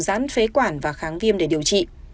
dán phế quản và kháng viêm để điều trị